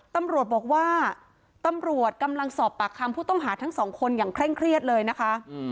ตำรวจบอกว่าตำรวจกำลังสอบปากคำผู้ต้องหาทั้งสองคนอย่างเคร่งเครียดเลยนะคะ